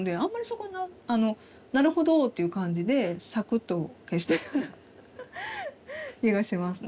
そこはなるほどっていう感じでサクッと消したような気がします。